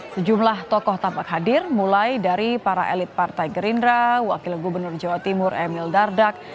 sejumlah tokoh tampak hadir mulai dari para elit partai gerindra wakil gubernur jawa timur emil dardak